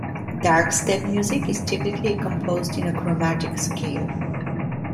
Darkstep music is typically composed in a chromatic scale.